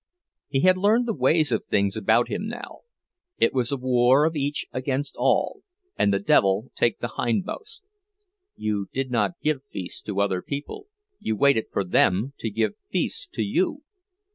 He had learned the ways of things about him now. It was a war of each against all, and the devil take the hindmost. You did not give feasts to other people, you waited for them to give feasts to you.